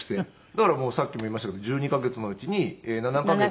だからさっきも言いましたけど１２カ月のうちに７カ月。